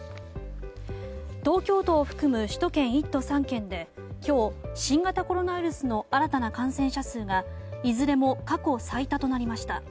東京都を含む首都圏１都３県で今日、新型コロナウイルスの新たな感染者数がいずれも過去最多となりました。